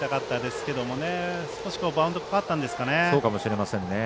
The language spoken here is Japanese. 少しバウンドかかったんですかね。